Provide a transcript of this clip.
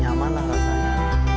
nyaman lah rasanya